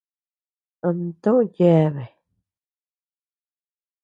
Ama toʼö yeabea.